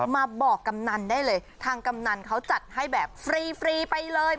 มาบอกกำนันได้เลยทางกำนันเขาจัดให้แบบฟรีไปเลย